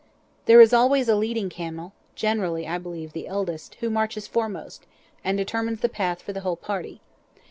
There is always a leading camel (generally, I believe, the eldest), who marches foremost, and determines the path for the whole party.